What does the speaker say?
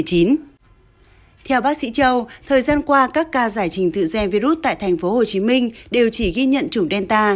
theo bác sĩ châu thời gian qua các ca giải trình tự ge virus tại tp hcm đều chỉ ghi nhận chủng delta